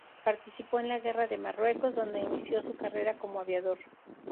Participó en la Guerra de Marruecos, donde inició su carrera como aviador.